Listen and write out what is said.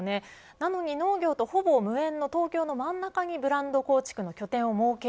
なのに農業とほぼ無縁の東京の真ん中にブランド構築の拠点を設ける。